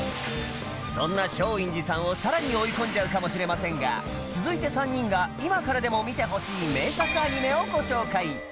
そんな松陰寺さんをさらに追いこんじゃうかもしれませんが続いて３人が今からでも見てほしい名作アニメをご紹介